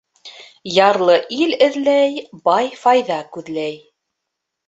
Ярлы ил эҙләй, бай файҙа күҙләй.